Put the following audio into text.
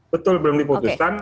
betul belum diputuskan